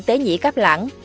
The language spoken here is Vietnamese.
tế nhĩ cáp lãng